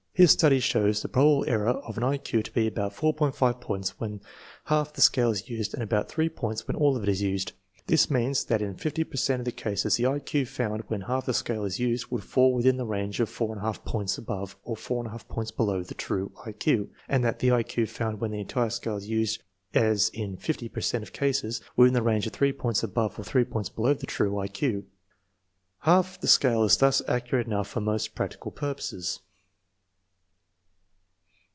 His study shows the probable error of an I Q to be about 4.5 points when half the scale is used and about 3 points when all of it is used. This means that in fifty per cent of the cases the I Q found when half the scale is used would fall within the range of 4| points above or 4j points below the true I Q; and that the I Q found when the entire scale is used is in fifty per cent of cases within the range of 3 points above or 3 points below the true I Q. Half the scale is thus accurate enough for most practical purposes.